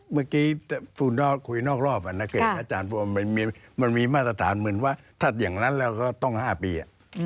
เมื่อกี้ฟูนอกคุยนอกรอบนะเขตอาจารย์มันมีมาตรฐานเหมือนว่าถ้าอย่างนั้นเราก็ต้อง๕ปี